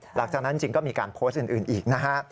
หลังจากนั้นจริงก็มีการโพสต์อื่นอีกนะฮะ